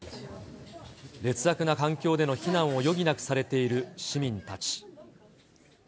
劣悪な環境での避難を余儀なくされている市民たち。